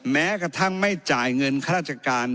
แม้กระทั่งไม่จ่ายเงินข้าราชการ